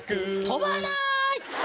跳ばない！